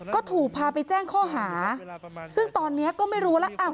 ก็ถูกพาไปแจ้งข้อหาซึ่งตอนนี้ก็ไม่รู้แล้ว